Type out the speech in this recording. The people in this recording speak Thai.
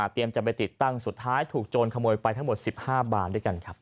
จะไปติดตั้งสุดท้ายถูกโจรขโมยไปทั้งหมด๑๕บานด้วยกันครับ